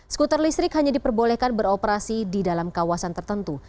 skuter listrik hanya diperbolehkan beroperasi di dalam kawasan tertentu